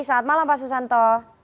selamat malam pak susanto